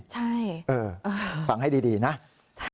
ใช่ฟังให้ดีนะ